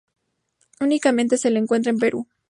Únicamente se la encuentra en Perú.